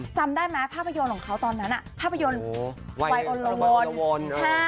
จำได้ไหมภาพยนตร์ของเขาตอนนั้นภาพยนตร์วัยโอโลวน